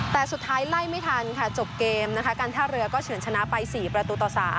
แต่สุดท้ายไล่ไม่ทันค่ะจบเกมนะคะการท่าเรือก็เฉินชนะไป๔ประตูต่อ๓